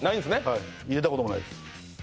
はい入れたこともないです